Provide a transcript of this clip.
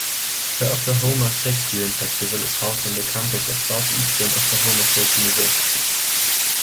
The Oklahoma Shakespearean Festival is housed on the campus of Southeastern Oklahoma State University.